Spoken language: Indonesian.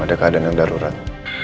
ada keadaan yang darurat